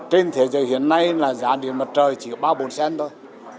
trên thế giới hiện nay là giá điện mật trời chỉ có ba bốn cent thôi